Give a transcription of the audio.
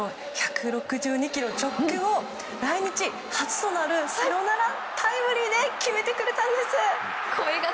１６２キロの直球を来日初となるサヨナラタイムリーで決めてくれたんです！